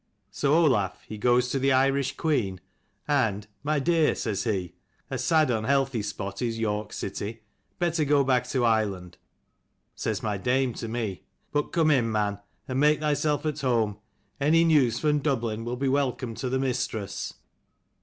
So Olaf he goes to the Irish queen and My dear, says he, a sad unhealthy spot is York city ; better go back to Ireland. Says my dame to me, but come in, man, and make thyself at home. Any news from Dublin will be welcome to the mistress."